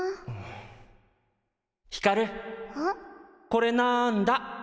これなんだ？